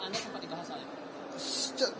di enak anda sempat dikhasilkan